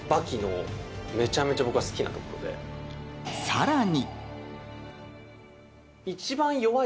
さらに。